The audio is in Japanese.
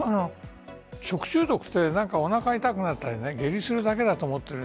食中毒は、おなか痛くなったり下痢するだけだと思ってる。